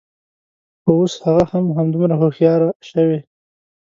خو، اوس هغه هم همدومره هوښیاره شوې